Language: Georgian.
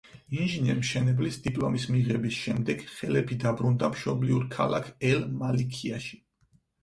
ინჟინერ-მშენებლის დიპლომის მიღების შემდეგ ხელეფი დაბრუნდა მშობლიურ ქალაქ ელ-მალიქიაში.